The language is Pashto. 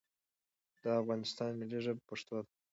دا افغانستان ملی ژبه پښتو ده